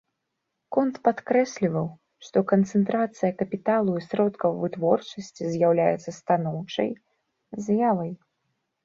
Конт падкрэсліваў, што канцэнтрацыя капіталу і сродкаў вытворчасці з'яўляецца станоўчай з'явай.